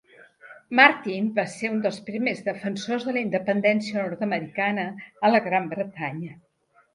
Martin va ser un dels primers defensors de la independència nord-americana a la Gran Bretanya.